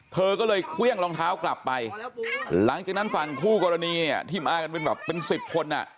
เธอก็เลยเครื่องรองเท้ากลับไปหลังจากนั้นฝั่งคู่กรณีเนี่ยที่มากันเป็นแบบเป็นสิบคนอ่ะ